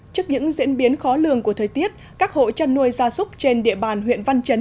trước những diễn biến khó lường của thời tiết các hộ chăn nuôi gia súc trên địa bàn huyện văn chấn